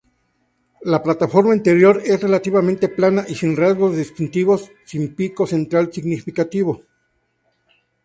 La plataforma interior es relativamente plana y sin rasgos distintivos, sin pico central significativo.